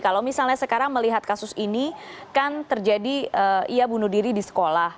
kalau misalnya sekarang melihat kasus ini kan terjadi ia bunuh diri di sekolah